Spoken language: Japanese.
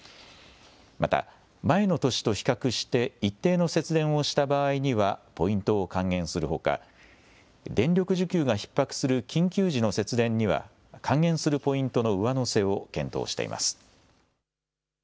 また、前の年と比較して一定の節電をした場合にはポイントを還元するほか、電力需給がひっ迫する緊急時の節電には、還元するポイントの上乗せを検討しています。